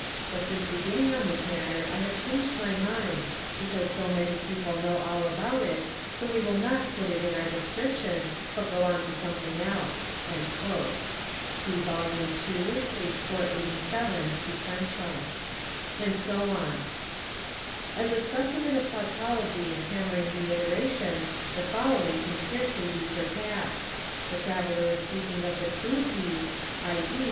But since beginning on this matter I have changed my mind, because so many people know all about it, so we will not put it in our description but go on to something else." (See vol. ii. p. 487 seqq) And so on. As a specimen of tautology and hammering reiteration the following can scarcely be surpassed. The Traveller is speaking of the Chughi, i.e.